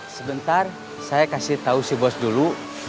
sebentar saya kasih tahu si bos dulu